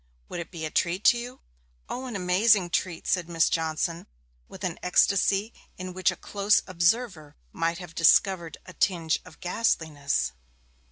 Would it be a treat to you?' 'O, an amazing treat!' said Miss Johnson, with an ecstasy in which a close observer might have discovered a tinge of ghastliness.